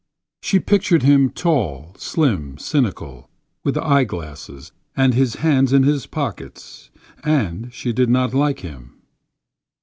She pictured him tall, slim, cynical; with eye glasses, and his hands in his pockets; and she did not like him.